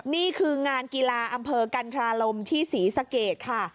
นี่คืางานกีฬาอัมเพิงร้านกันธรรมุที่สีสะเกตฮะ